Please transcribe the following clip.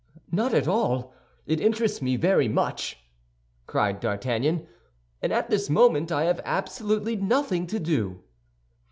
"Not at all; it interests me very much," cried D'Artagnan; "and at this moment I have absolutely nothing to do."